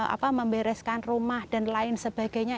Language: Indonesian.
apa membereskan rumah dan lain sebagainya